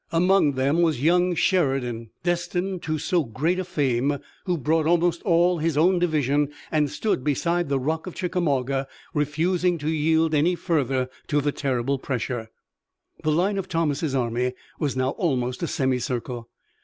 Among them was young Sheridan, destined to so great a fame, who brought almost all his own division and stood beside the Rock of Chickamauga, refusing to yield any further to the terrible pressure. The line of Thomas' army was now almost a semicircle.